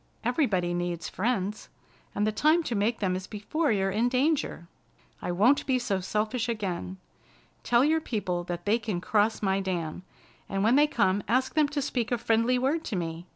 "Everybody needs friends, and the time to make them is before you're in danger. I won't be so selfish again. Tell your people that they can cross my dam, and when they come ask them to speak a friendly word to me.